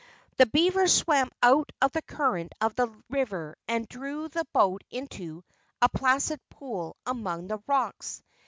The beavers swam out of the current of the river and drew the boat into a placid pool among the rocks.